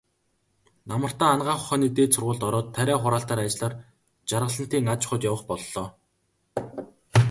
Намартаа Анагаах ухааны дээд сургуульд ороод, тариа хураалтын ажлаар Жаргалантын аж ахуйд явах боллоо.